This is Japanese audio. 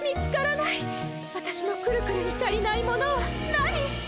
わたしのくるくるに足りないものは何？